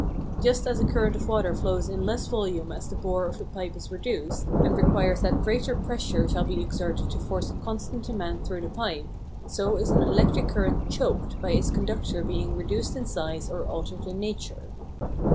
Just as a current of water flows in less volume as the bore of a pipe is reduced, and requires that greater pressure shall be exerted to force a constant amount through the pipe, so is an electric current choked by its conductor being reduced in size or altered in nature.